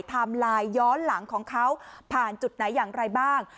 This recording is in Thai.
ไลน์ย้อนหลังของเขาผ่านจุดไหนอย่างไรบ้าง